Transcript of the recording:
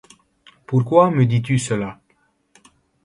Pourquoi me dis-tu cela?